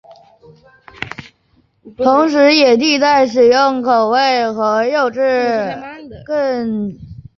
同时也替代使用口味和肉质更加丰富的斯里兰卡蟹来代替原本的泥蟹。